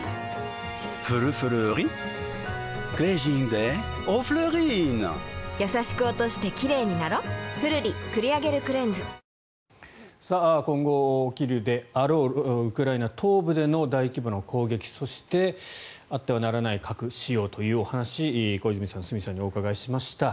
ですからまさしくとにかく今までは核の恐怖ということで今後起きるであろうウクライナ東部での大規模な攻撃そして、あってはならない核使用というお話を小泉さん、角さんにお伺いしました。